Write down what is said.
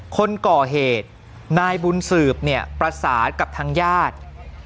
คนก่อเหตุนายบุญสืบเนี่ยประสานกับทางญาติ